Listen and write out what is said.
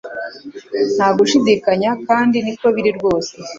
Nta gushidikanya kandi niko biri rwose